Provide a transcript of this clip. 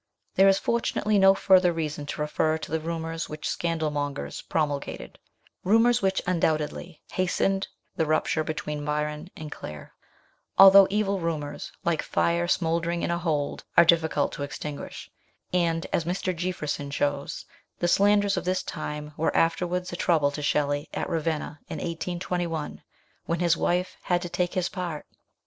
There is, fortunately, no further reason to refer to the rumours which scandal mongers promulgated rumours which undoubtedly hastened the rupture between Byron and Claire ; although evil rumours, like fire smouldering in a hold, are difficult to extinguish, and, as Mr. Jeaffreson shows, the slanders of this time were afterwards a trouble to Shelley at Ravenna, in 1821, when his wife had to take his part.